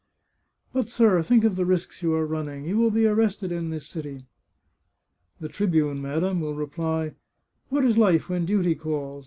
" But, sir, think of the risks you are running. You will be arrested in this city." " The tribune, madam, will reply, ' What is life when duty calls